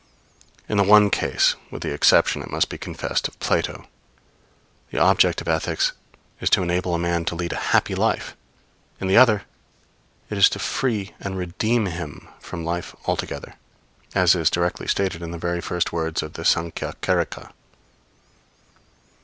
In the one case (with the exception, it must be confessed, of Plato), the object of ethics is to enable a man to lead a happy life; in the other, it is to free and redeem him from life altogether as is directly stated in the very first words of the Sankhya Karika.